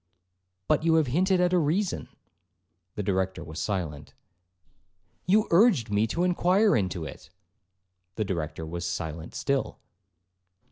'But you have hinted at a reason.' The Director was silent. 'You urged me to inquire into it.' The Director was silent still.